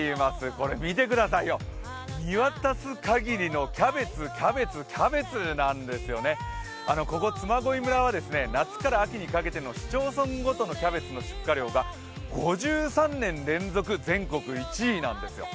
これ、見てくださいよ見渡す限りのキャベツ、キャベツキャベツなんですよね、ここ嬬恋村は夏から秋にかけての市町村ごとのキャベツの出荷量が５３年連続全国１位なんですよ。